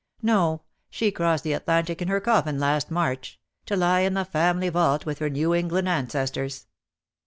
"No. She crossed the Atlantic in her coffin last March — to lie in the family vault with her New England ancestors."